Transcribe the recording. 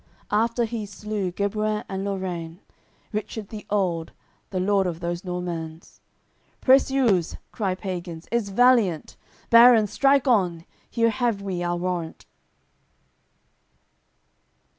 After, he slew Gebuin and Lorain, Richard the old, the lord of those Normans. "Preciuse," cry pagans, "is valiant! Baron, strike on; here have we our warrant!"